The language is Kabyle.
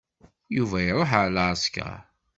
Yuba iruḥ ɣer leɛsker.